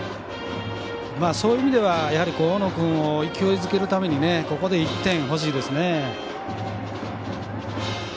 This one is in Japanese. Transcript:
そういう意味ではやはり大野君を勢いづけるためにここで１点ほしいですね。